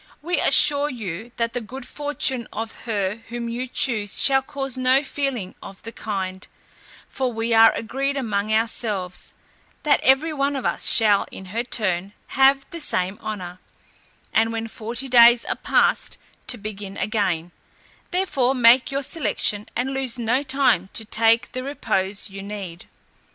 We assure you, that the good fortune of her whom you choose shall cause no feeling of the kind; for we are agreed among ourselves, that every one of us shall in her turn have the same honour; and when forty days are past, to begin again; therefore make your selection, and lose no time to take the repose you need."